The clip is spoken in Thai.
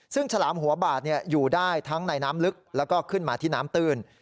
ซึ่งฉลามหัวบาดอยู่ได้ทั้งในน้ำลึกแล้วก็ขึ้นมาที่น้ำตื้น